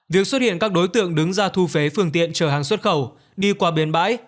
việc xuất hiện các đối tượng đứng ra thu phế phương tiện chở hàng xuất khẩu đi qua bến bãi